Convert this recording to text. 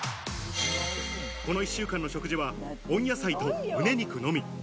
この１週間の食事は温野菜とむね肉のみ。